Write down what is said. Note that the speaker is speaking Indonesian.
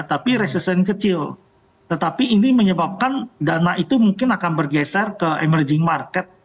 tapi resession kecil tetapi ini menyebabkan dana itu mungkin akan bergeser ke emerging market